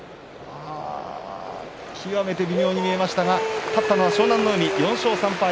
極めて微妙に見えましたが勝ったのは湘南乃海、４勝３敗。